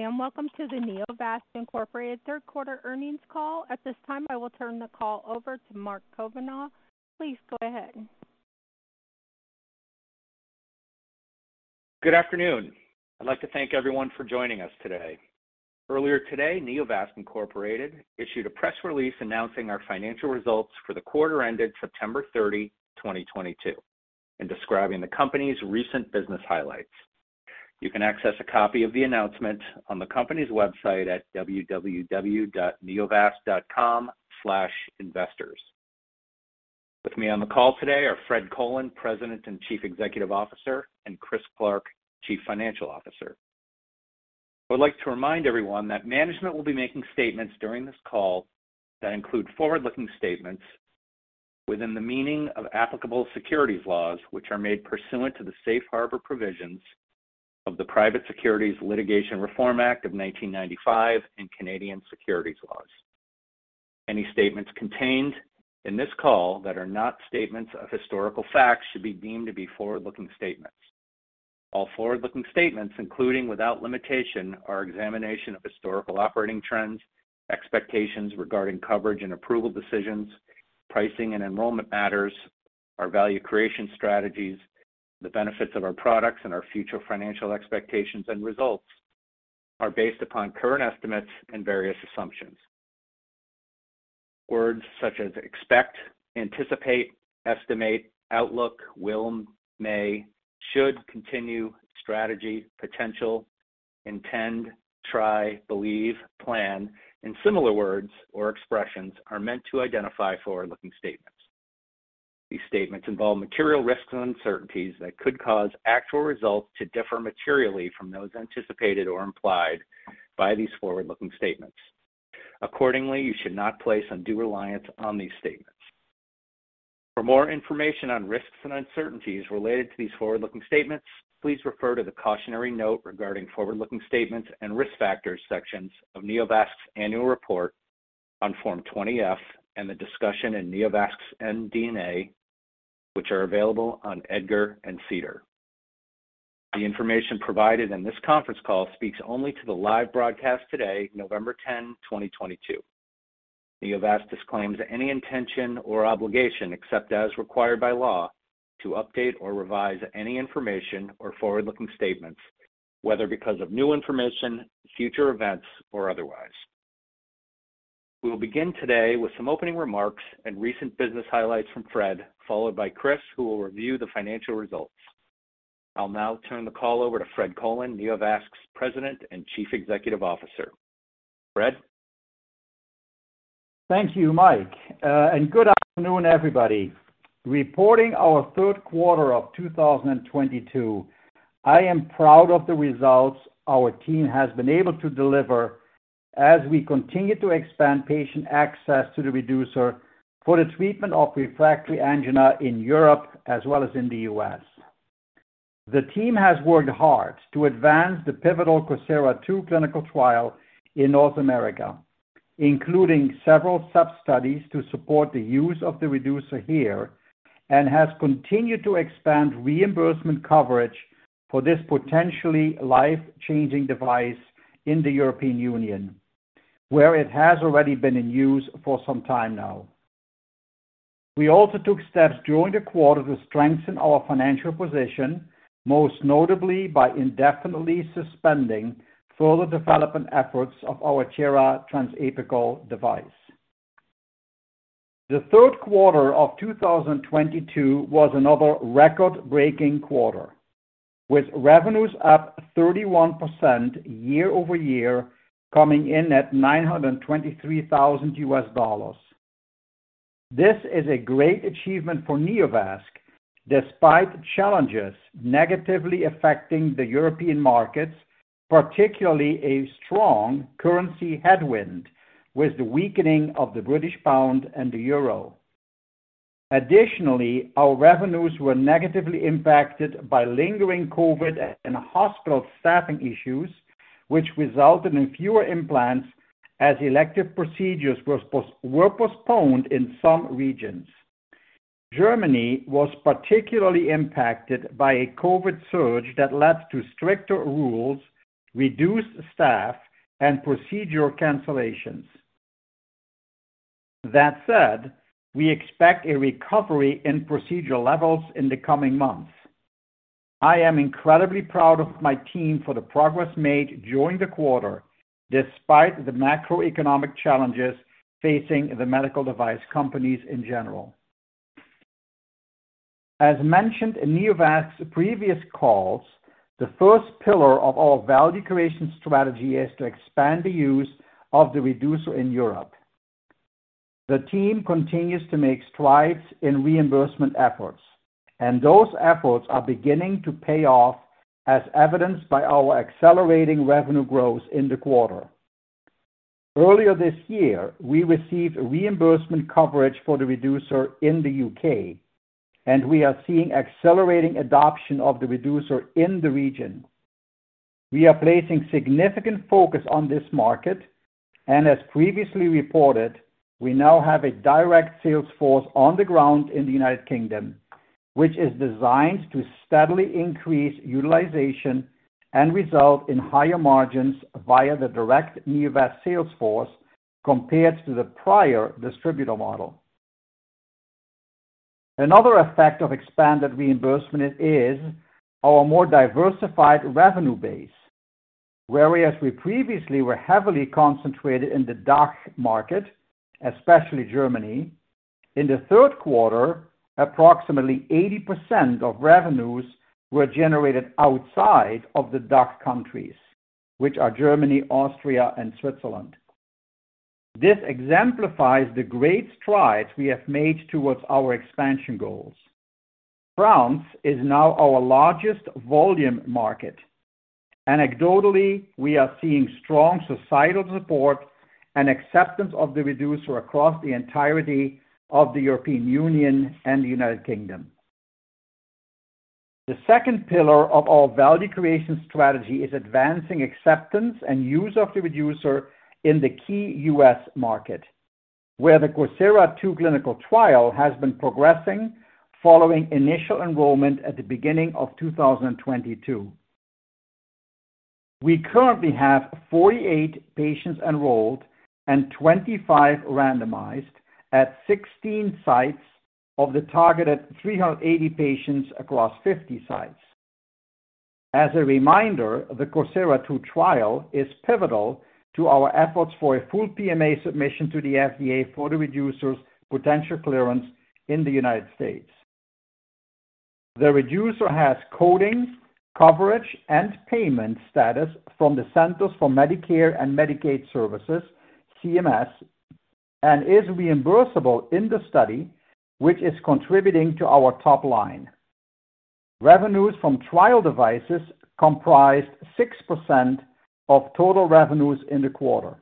Hey, welcome to the Neovasc Incorporated third quarter earnings call. At this time, I will turn the call over to Mike Cavanaugh. Please go ahead. Good afternoon. I'd like to thank everyone for joining us today. Earlier today, Neovasc Incorporated issued a press release announcing our financial results for the quarter ended September 30, 2022, and describing the company's recent business highlights. You can access a copy of the announcement on the company's website at www.neovasc.com/investors. With me on the call today are Fred Colen, President and Chief Executive Officer, and Chris Clark, Chief Financial Officer. I would like to remind everyone that management will be making statements during this call that include forward-looking statements within the meaning of applicable securities laws, which are made pursuant to the safe harbor provisions of the Private Securities Litigation Reform Act of 1995 and Canadian securities laws. Any statements contained in this call that are not statements of historical facts should be deemed to be forward-looking statements. All forward-looking statements, including, without limitation, our examination of historical operating trends, expectations regarding coverage and approval decisions, pricing and enrollment matters, our value creation strategies, the benefits of our products, and our future financial expectations and results are based upon current estimates and various assumptions. Words such as expect, anticipate, estimate, outlook, will, may, should, continue, strategy, potential, intend, try, believe, plan, and similar words or expressions are meant to identify forward-looking statements. These statements involve material risks and uncertainties that could cause actual results to differ materially from those anticipated or implied by these forward-looking statements. Accordingly, you should not place undue reliance on these statements. For more information on risks and uncertainties related to these forward-looking statements, please refer to the Cautionary Note regarding forward-looking statements and Risk Factors sections of Neovasc's annual report on Form 20-F and the discussion in Neovasc's MD&A, which are available on EDGAR and SEDAR. The information provided in this conference call speaks only to the live broadcast today, November 10, 2022. Neovasc disclaims any intention or obligation, except as required by law, to update or revise any information or forward-looking statements, whether because of new information, future events, or otherwise. We will begin today with some opening remarks and recent business highlights from Fred, followed by Chris, who will review the financial results. I'll now turn the call over to Fred Colen, Neovasc's President and Chief Executive Officer. Fred? Thank you, Mike, and good afternoon, everybody. Reporting our third quarter of 2022, I am proud of the results our team has been able to deliver as we continue to expand patient access to the Reducer for the treatment of refractory angina in Europe as well as in the US. The team has worked hard to advance the pivotal COSIRA-II clinical trial in North America, including several sub-studies to support the use of the Reducer here and has continued to expand reimbursement coverage for this potentially life-changing device in the European Union, where it has already been in use for some time now. We also took steps during the quarter to strengthen our financial position, most notably by indefinitely suspending further development efforts of our Tiara Transapical device. The third quarter of 2022 was another record-breaking quarter, with revenues up 31% year-over-year, coming in at $923,000. This is a great achievement for Neovasc, despite challenges negatively affecting the European markets, particularly a strong currency headwind, with the weakening of the British pound and the euro. Additionally, our revenues were negatively impacted by lingering COVID and hospital staffing issues, which resulted in fewer implants as elective procedures were postponed in some regions. Germany was particularly impacted by a COVID surge that led to stricter rules, reduced staff, and procedural cancellations. That said, we expect a recovery in procedural levels in the coming months. I am incredibly proud of my team for the progress made during the quarter, despite the macroeconomic challenges facing the medical device companies in general. As mentioned in Neovasc's previous calls, the first pillar of our value creation strategy is to expand the use of the Reducer in Europe. The team continues to make strides in reimbursement efforts, and those efforts are beginning to pay off, as evidenced by our accelerating revenue growth in the quarter. Earlier this year, we received reimbursement coverage for the Reducer in the U.K., and we are seeing accelerating adoption of the Reducer in the region. We are placing significant focus on this market, and as previously reported, we now have a direct sales force on the ground in the United Kingdom, which is designed to steadily increase utilization and result in higher margins via the direct Neovasc sales force compared to the prior distributor model. Another effect of expanded reimbursement is our more diversified revenue base. Whereas we previously were heavily concentrated in the DACH market, especially Germany, in the third quarter, approximately 80% of revenues were generated outside of the DACH countries, which are Germany, Austria, and Switzerland. This exemplifies the great strides we have made towards our expansion goals. France is now our largest volume market. Anecdotally, we are seeing strong societal support and acceptance of the reducer across the entirety of the European Union and the United Kingdom. The second pillar of our value creation strategy is advancing acceptance and use of the reducer in the key US market, where the COSIRA-II clinical trial has been progressing following initial enrollment at the beginning of 2022. We currently have 48 patients enrolled and 25 randomized at 16 sites of the targeted 380 patients across 50 sites. As a reminder, the COSIRA-II trial is pivotal to our efforts for a full PMA submission to the FDA for the reducer's potential clearance in the United States. The reducer has coding, coverage, and payment status from the Centers for Medicare and Medicaid Services, CMS, and is reimbursable in the study, which is contributing to our top line. Revenues from trial devices comprised 6% of total revenues in the quarter.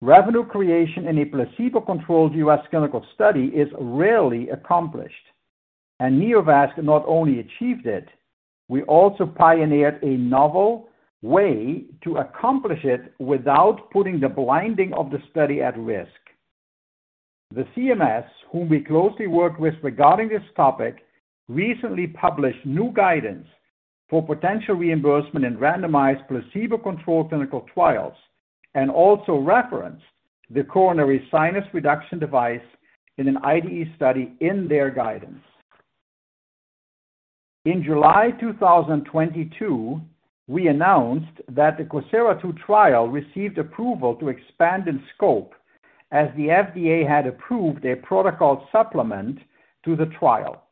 Revenue creation in a placebo-controlled US clinical study is rarely accomplished, and Neovasc not only achieved it, we also pioneered a novel way to accomplish it without putting the blinding of the study at risk. The CMS, whom we closely work with regarding this topic, recently published new guidance for potential reimbursement in randomized placebo-controlled clinical trials and also referenced the coronary sinus reduction device in an IDE study in their guidance. In July 2022, we announced that the COSIRA-II trial received approval to expand in scope as the FDA had approved a protocol supplement to the trial.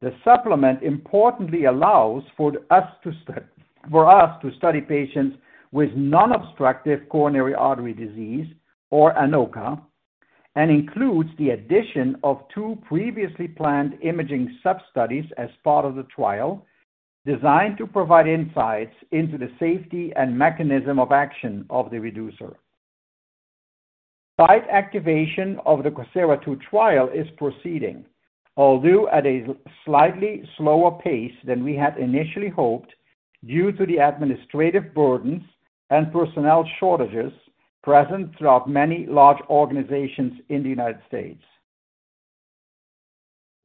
The supplement importantly allows for us to study patients with non-obstructive coronary artery disease, or ANOCA, and includes the addition of two previously planned imaging substudies as part of the trial designed to provide insights into the safety and mechanism of action of the reducer. Site activation of the COSIRA-II trial is proceeding, although at a slightly slower pace than we had initially hoped due to the administrative burdens and personnel shortages present throughout many large organizations in the United States.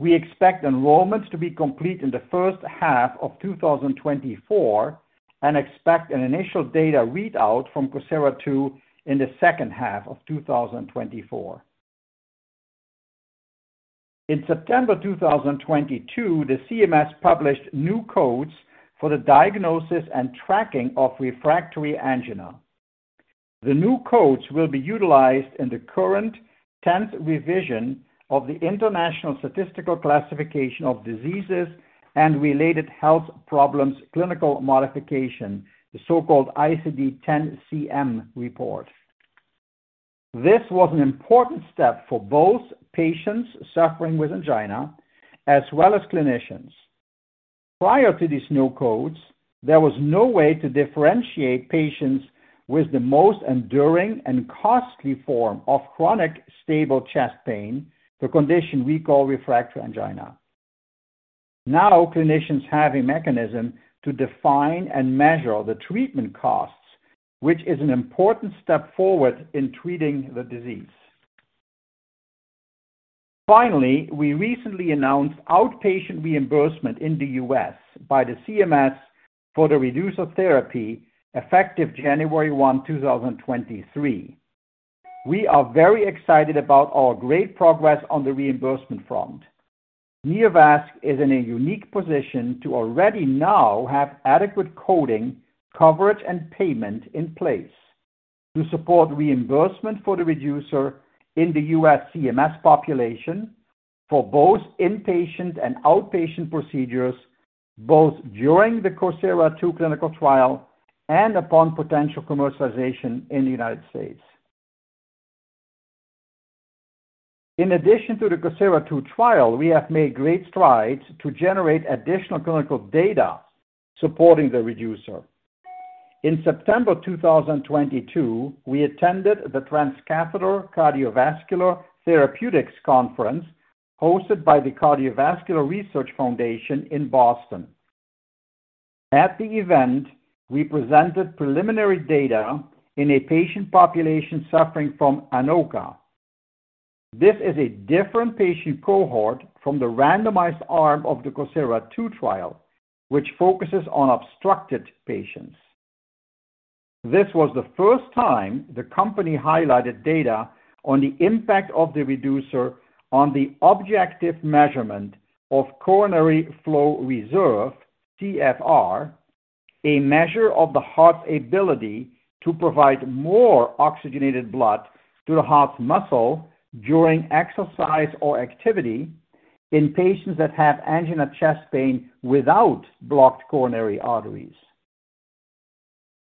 We expect enrollments to be complete in the first half of 2024 and expect an initial data readout from COSIRA-II in the second half of 2024. In September 2022, the CMS published new codes for the diagnosis and tracking of refractory angina. The new codes will be utilized in the current tenth revision of the International Statistical Classification of Diseases and Related Health Problems Clinical Modification, the so-called ICD-10-CM. This was an important step for both patients suffering with angina as well as clinicians. Prior to these new codes, there was no way to differentiate patients with the most enduring and costly form of chronic stable chest pain, the condition we call refractory angina. Now, clinicians have a mechanism to define and measure the treatment costs, which is an important step forward in treating the disease. Finally, we recently announced outpatient reimbursement in the US by the CMS for the reducer therapy effective January 1, 2023. We are very excited about our great progress on the reimbursement front. Neovasc is in a unique position to already now have adequate coding, coverage, and payment in place to support reimbursement for the Reducer in the U.S. CMS population for both inpatient and outpatient procedures, both during the COSIRA-II clinical trial and upon potential commercialization in the United States. In addition to the COSIRA-II trial, we have made great strides to generate additional clinical data supporting the Reducer. In September 2022, we attended the Transcatheter Cardiovascular Therapeutics Conference hosted by the Cardiovascular Research Foundation in Boston. At the event, we presented preliminary data in a patient population suffering from ANOCA. This is a different patient cohort from the randomized arm of the COSIRA-II trial, which focuses on obstructed patients. This was the first time the company highlighted data on the impact of the Reducer on the objective measurement of coronary flow reserve, CFR, a measure of the heart's ability to provide more oxygenated blood to the heart's muscle during exercise or activity in patients that have angina chest pain without blocked coronary arteries.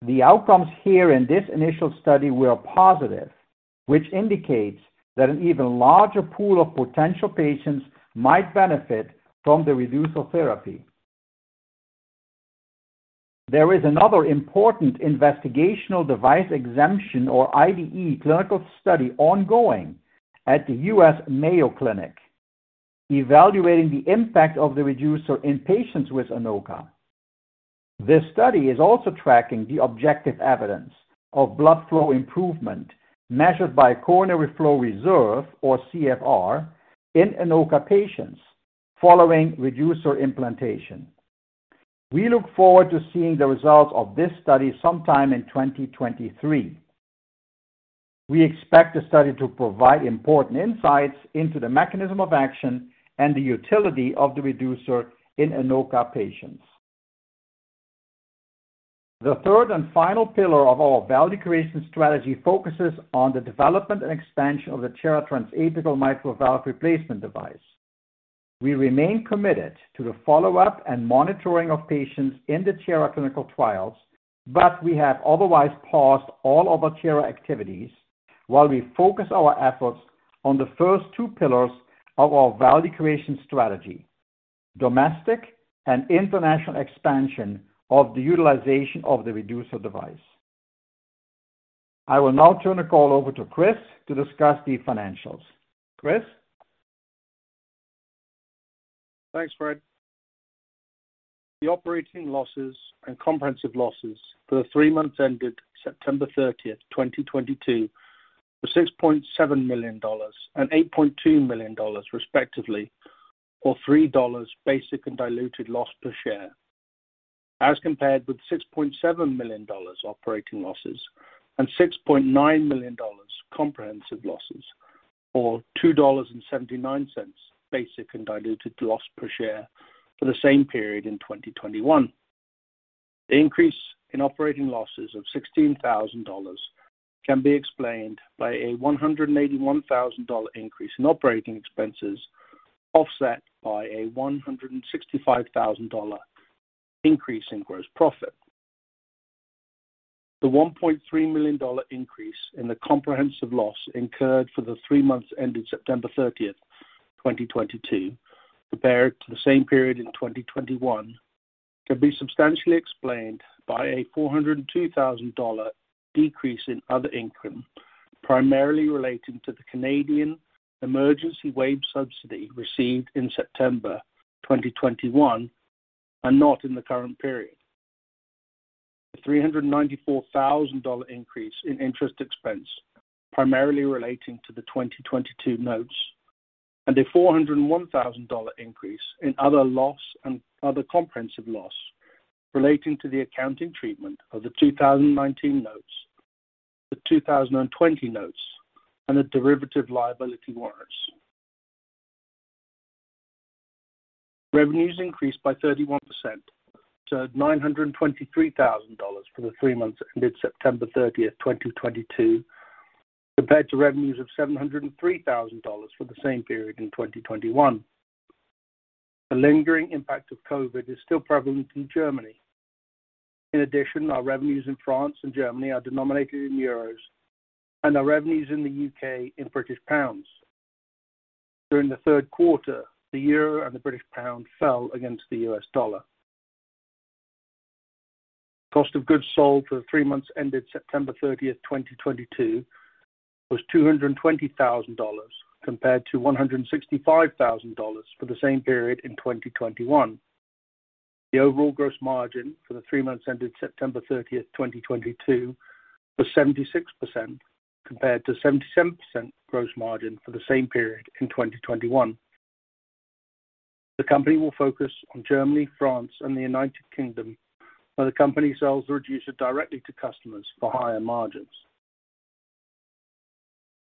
The outcomes here in this initial study were positive, which indicates that an even larger pool of potential patients might benefit from the Reducer therapy. There is another important investigational device exemption or IDE clinical study ongoing at the Mayo Clinic, evaluating the impact of the Reducer in patients with ANOCA. This study is also tracking the objective evidence of blood flow improvement measured by coronary flow reserve, or CFR, in ANOCA patients following Reducer implantation. We look forward to seeing the results of this study sometime in 2023. We expect the study to provide important insights into the mechanism of action and the utility of the Reducer in ANOCA patients. The third and final pillar of our value creation strategy focuses on the development and expansion of the Tiara Transapical mitral valve replacement device. We remain committed to the follow-up and monitoring of patients in the Tiara clinical trials, but we have otherwise paused all of our Tiara activities while we focus our efforts on the first two pillars of our value creation strategy: domestic and international expansion of the utilization of the Reducer device. I will now turn the call over to Chris to discuss the financials. Chris? Thanks, Fred. The operating losses and comprehensive losses for the three months ended September 30, 2022, were $6.7 million and $8.2 million, respectively, or $3 basic and diluted loss per share. As compared with $6.7 million operating losses and $6.9 million comprehensive losses, or $2.79 basic and diluted loss per share for the same period in 2021. The increase in operating losses of $16,000 can be explained by a $181,000 increase in operating expenses, offset by a $165,000 increase in gross profit. The $1.3 million increase in the comprehensive loss incurred for the three months ending September 30, 2022, compared to the same period in 2021, can be substantially explained by a $402,000 decrease in other income, primarily relating to the Canada Emergency Wage Subsidy received in September 2021 and not in the current period. The $394,000 increase in interest expense primarily relating to the 2022 notes and a $401,000 increase in other loss and other comprehensive loss relating to the accounting treatment of the 2019 notes, the 2020 notes, and the derivative liability warrants. Revenues increased by 31% to $923,000 for the three months ended September 30, 2022, compared to revenues of $703,000 for the same period in 2021. The lingering impact of COVID is still prevalent in Germany. In addition, our revenues in France and Germany are denominated in euros and our revenues in the U.K. in British pounds. During the third quarter, the euro and the British pound fell against the U.S. dollar. Cost of goods sold for the three months ended September 30, 2022, was $220,000, compared to $165,000 for the same period in 2021. The overall gross margin for the three months ended September 30, 2022, was 76% compared to 77% gross margin for the same period in 2021. The company will focus on Germany, France, and the United Kingdom, where the company sells Reducer directly to customers for higher margins.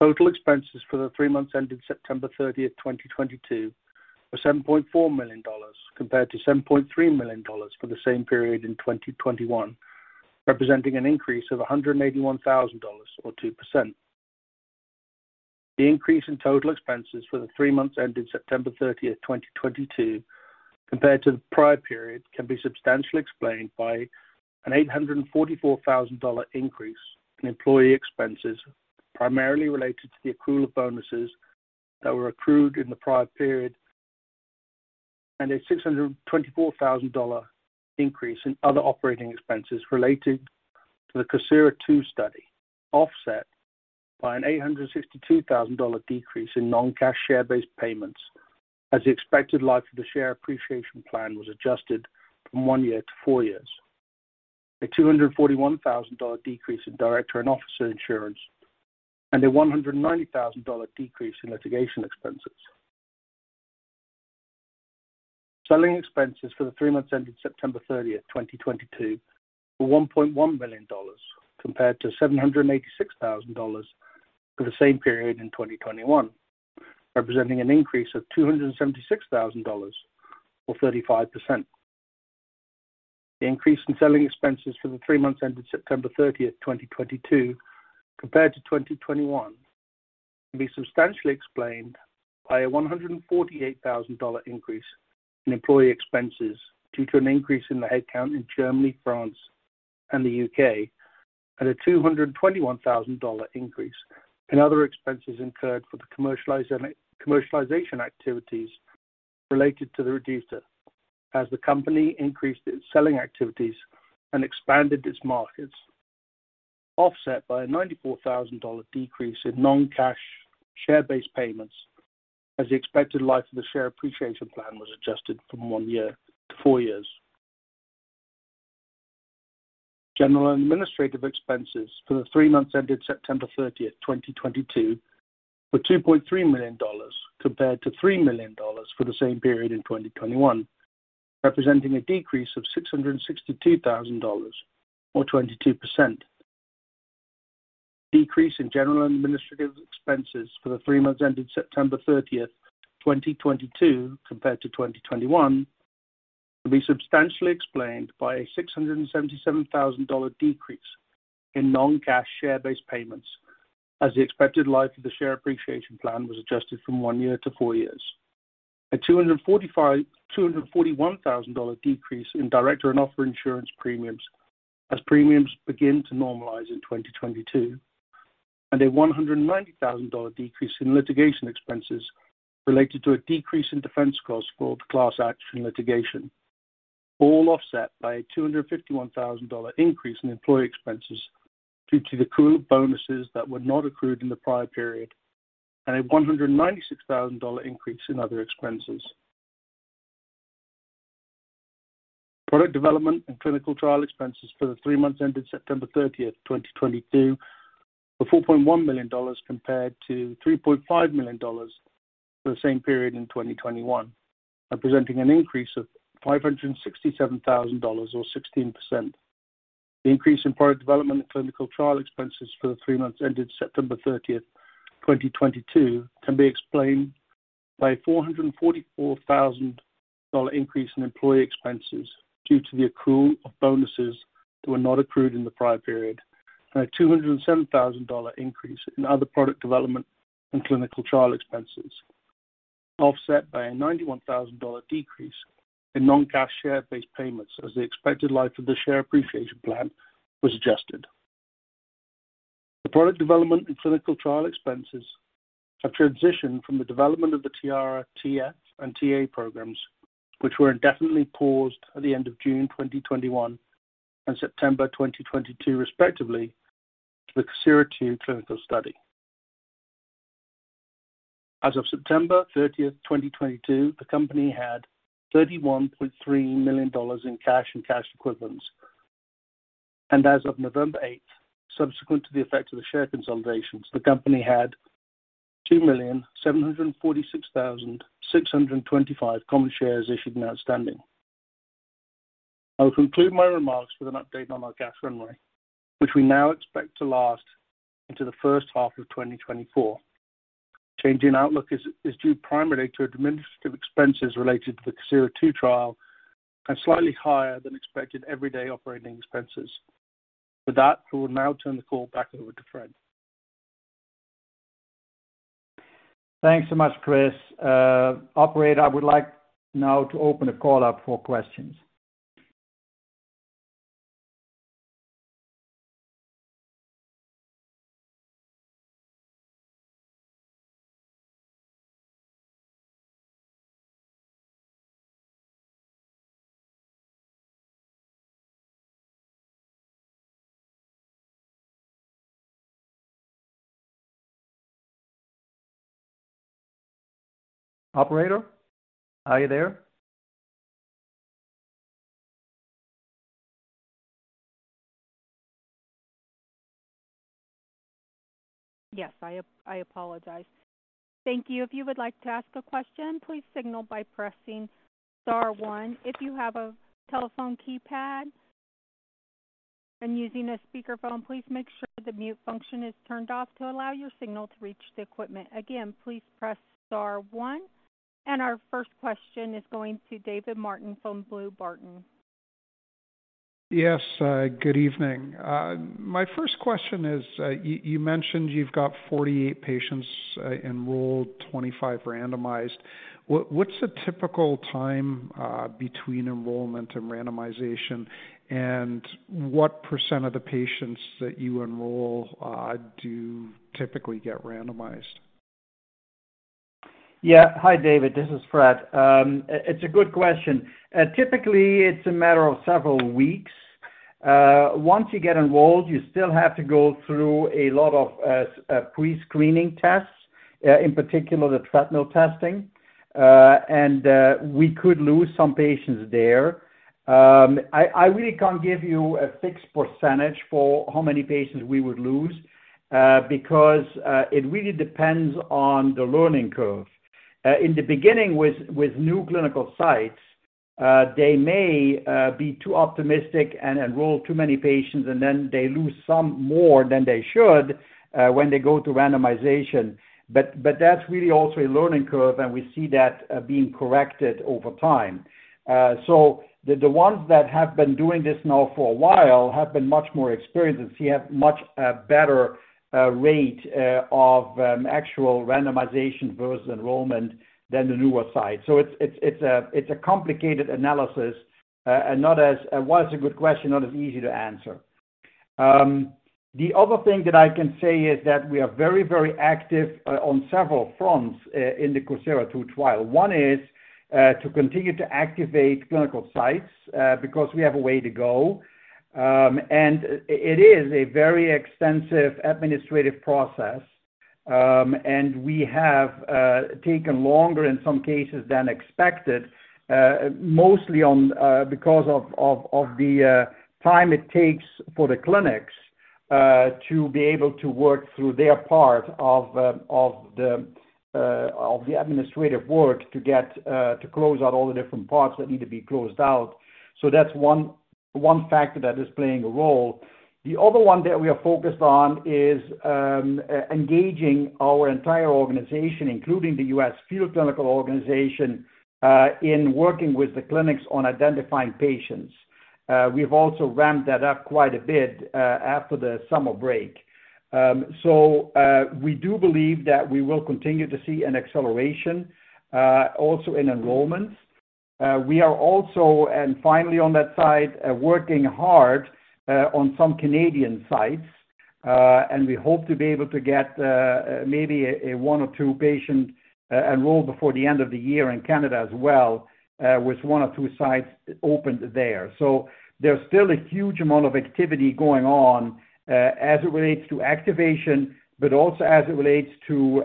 Total expenses for the three months ending September 30, 2022, were $7.4 million, compared to $7.3 million for the same period in 2021, representing an increase of $181,000 or 2%. The increase in total expenses for the three months ending September 30, 2022, compared to the prior period, can be substantially explained by an $844,000 increase in employee expenses, primarily related to the accrual of bonuses that were accrued in the prior period, and a $624,000 increase in other operating expenses related to the COSIRA-II study, offset by an $862,000 decrease in non-cash share-based payments as the expected life of the share appreciation plan was adjusted from one year to four years. A $241,000 decrease in director and officer insurance, and a $190,000 decrease in litigation expenses. Selling expenses for the three months ending September 30, 2022 were $1.1 million compared to $786 thousand for the same period in 2021, representing an increase of $276 thousand, or 35%. The increase in selling expenses for the three months ending September 30, 2022 compared to 2021 can be substantially explained by a $148 thousand increase in employee expenses due to an increase in the headcount in Germany, France, and the U.K. and a $221 thousand increase in other expenses incurred for the commercialization activities related to the Reducer as the company increased its selling activities and expanded its markets, offset by a $94 thousand decrease in non-cash share-based payments as the expected life of the share appreciation plan was adjusted from one year to four years. General and administrative expenses for the three months ending September 30, 2022 were $2.3 million compared to $3 million for the same period in 2021, representing a decrease of $662,000 or 22%. Decrease in general and administrative expenses for the three months ending September 30, 2022 compared to 2021 can be substantially explained by a $677,000 decrease in non-cash share-based payments as the expected life of the share appreciation plan was adjusted from one year to four years. A $241,000 decrease in director and officer insurance premiums as premiums begin to normalize in 2022, and a $190,000 decrease in litigation expenses related to a decrease in defense costs for the class action litigation, all offset by a $251,000 increase in employee expenses due to the accrual of bonuses that were not accrued in the prior period, and a $196,000 increase in other expenses. Product development and clinical trial expenses for the three months ending September 30, 2022 were $4.1 million compared to $3.5 million for the same period in 2021, representing an increase of $567,000 or 16%. The increase in product development and clinical trial expenses for the three months ending September 30, 2022 can be explained by $444,000 increase in employee expenses due to the accrual of bonuses that were not accrued in the prior period, and a $207,000 increase in other product development and clinical trial expenses, offset by a $91,000 decrease in non-cash share-based payments as the expected life of the share appreciation plan was adjusted. The product development and clinical trial expenses have transitioned from the development of the Tiara TF and TA programs, which were indefinitely paused at the end of June 2021 and September 2022 respectively to the COSIRA-II clinical study. As of September 30, 2022, the company had $31.3 million in cash and cash equivalents. As of November 8, subsequent to the effect of the share consolidations, the company had 2,746,625 common shares issued and outstanding. I will conclude my remarks with an update on our cash runway, which we now expect to last into the first half of 2024. Change in outlook is due primarily to administrative expenses related to the COSIRA-II trial and slightly higher than expected day-to-day operating expenses. With that, I will now turn the call back over to Fred. Thanks so much, Chris. Operator, I would like now to open the call up for questions. Operator, are you there? Yes. I apologize. Thank you. If you would like to ask a question, please signal by pressing star one if you have a telephone keypad. When using a speaker phone, please make sure the mute function is turned off to allow your signal to reach the equipment. Again, please press star one. Our first question is going to David Martin from Bloom Burton. Yes, good evening. My first question is, you mentioned you've got 48 patients enrolled, 25 randomized. What's the typical time between enrollment and randomization? And what % of the patients that you enroll do typically get randomized? Yeah. Hi, David, this is Fred. It's a good question. Typically, it's a matter of several weeks. Once you get enrolled, you still have to go through a lot of pre-screening tests, in particular the treadmill testing. We could lose some patients there. I really can't give you a fixed percentage for how many patients we would lose, because it really depends on the learning curve. In the beginning with new clinical sites, they may be too optimistic and enroll too many patients, and then they lose some more than they should when they go to randomization. That's really also a learning curve, and we see that being corrected over time. The ones that have been doing this now for a while have been much more experienced and see a much better rate of actual randomization versus enrollment than the newer sites. It's a complicated analysis, and not as easy to answer. While it's a good question, not as easy to answer. The other thing that I can say is that we are very active on several fronts in the COSIRA-II trial. One is to continue to activate clinical sites because we have a way to go. It is a very extensive administrative process, and we have taken longer in some cases than expected, mostly because of the time it takes for the clinics to be able to work through their part of the administrative work to close out all the different parts that need to be closed out. That's one factor that is playing a role. The other one that we are focused on is engaging our entire organization, including the US field clinical organization, in working with the clinics on identifying patients. We've also ramped that up quite a bit after the summer break. We do believe that we will continue to see an acceleration also in enrollments. We are also and finally on that side working hard on some Canadian sites and we hope to be able to get maybe a one or two patient enrolled before the end of the year in Canada as well with one or two sites opened there. There's still a huge amount of activity going on as it relates to activation but also as it relates to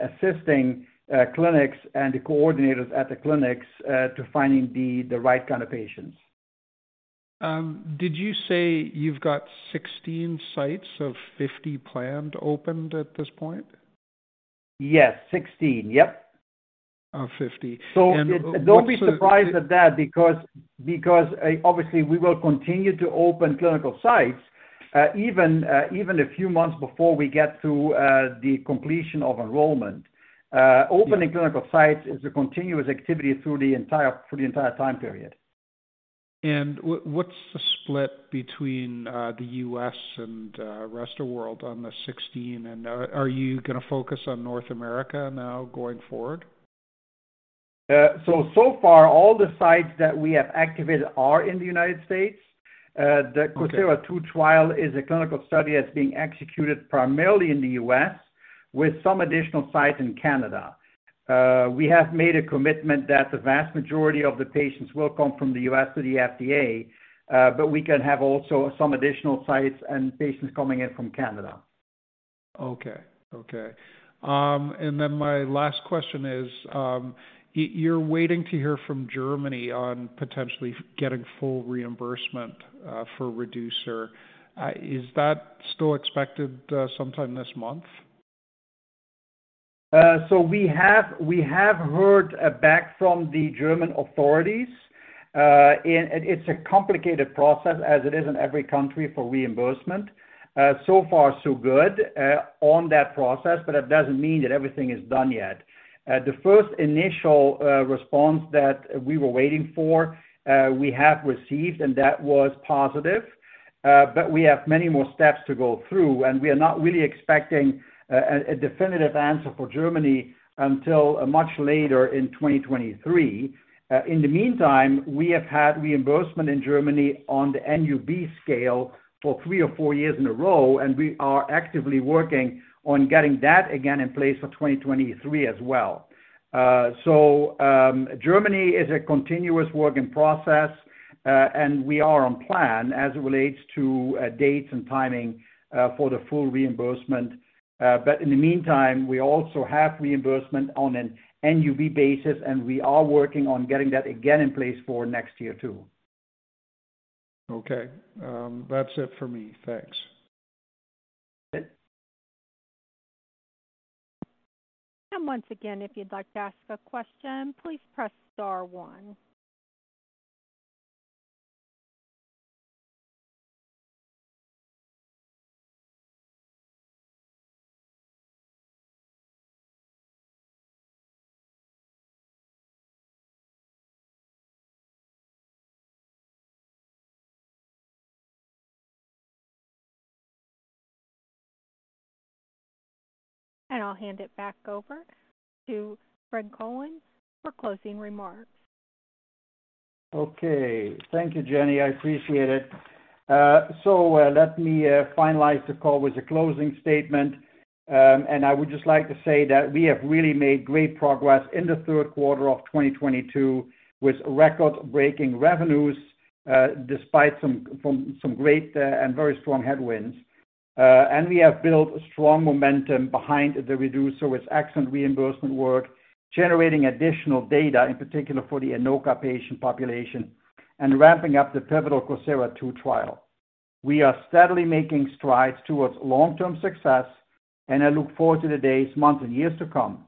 assisting clinics and the coordinators at the clinics to finding the right kind of patients. Did you say you've got 16 sites of 50 planned opened at this point? Yes. 16. Yep. Of fifty. And what's the- Don't be surprised at that because obviously we will continue to open clinical sites even a few months before we get to the completion of enrollment. Opening clinical sites is a continuous activity through the entire time period. What's the split between the U.S. and rest of world on the 16, and are you gonna focus on North America now going forward? So far all the sites that we have activated are in the United States. Okay. COSIRA-II trial is a clinical study that's being executed primarily in the U.S. with some additional sites in Canada. We have made a commitment that the vast majority of the patients will come from the U.S. through the FDA, but we can have also some additional sites and patients coming in from Canada. Okay. My last question is, you're waiting to hear from Germany on potentially getting full reimbursement for Reducer. Is that still expected sometime this month? We have heard back from the German authorities. It's a complicated process as it is in every country for reimbursement. So far so good on that process, but that doesn't mean that everything is done yet. The initial response that we were waiting for, we have received and that was positive. We have many more steps to go through, and we are not really expecting a definitive answer for Germany until much later in 2023. In the meantime, we have had reimbursement in Germany on the NUB scale for three or four years in a row, and we are actively working on getting that again in place for 2023 as well. Germany is a continuous work in process, and we are on plan as it relates to dates and timing for the full reimbursement. In the meantime, we also have reimbursement on an NUB basis, and we are working on getting that again in place for next year too. Okay. That's it for me. Thanks. Good. Once again, if you'd like to ask a question, please press star one. I'll hand it back over to Fred Colen for closing remarks. Okay. Thank you, Jenny. I appreciate it. So, let me finalize the call with a closing statement. I would just like to say that we have really made great progress in the third quarter of 2022 with record-breaking revenues, despite some great and very strong headwinds. We have built strong momentum behind the Reducer with excellent reimbursement work, generating additional data, in particular for the ANOCA patient population, and ramping up the pivotal COSIRA-II trial. We are steadily making strides towards long-term success, and I look forward to the days, months, and years to come.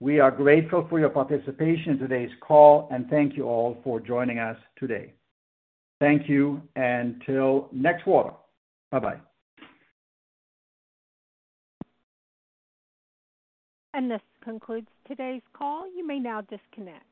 We are grateful for your participation in today's call, and thank you all for joining us today. Thank you, and till next quarter. Bye-bye. This concludes today's call. You may now disconnect.